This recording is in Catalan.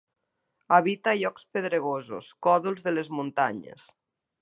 Habita a llocs pedregosos, còdols de les muntanyes.